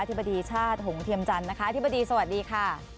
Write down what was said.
ธิบดีชาติหงเทียมจันทร์นะคะอธิบดีสวัสดีค่ะ